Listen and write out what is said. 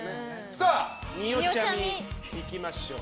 さあ、によちゃみいきましょう。